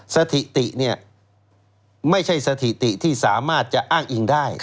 สถิติเนี่ยไม่ใช่สถิติที่สามารถจะอ้างอิงได้